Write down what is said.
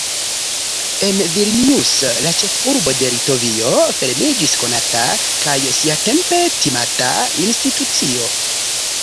En Vilnius, la ĉefurbo de Litovio, fermiĝis konata – kaj siatempe timata – institucio.